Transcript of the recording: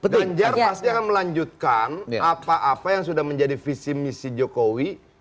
ganjar pasti akan melanjutkan apa apa yang sudah menjadi visi misi jokowi